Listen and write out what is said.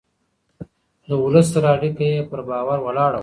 د ولس سره اړيکه يې پر باور ولاړه وه.